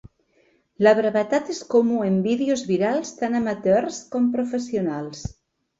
La brevetat és comú en vídeos virals tan amateurs com professionals.